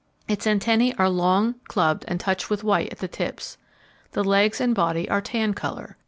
Its antennae are long, clubbed, and touched with white at the tips. The legs and body are tan colour.